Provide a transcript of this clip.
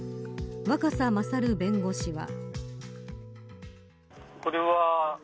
若狭勝弁護士は。